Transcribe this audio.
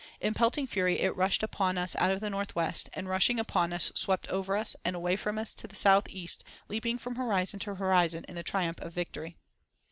In pelting fury it rushed upon us out of the northwest, and rushing upon us, swept over us and away from us into the south east, leaping from horizon to horizon in the triumph of victory.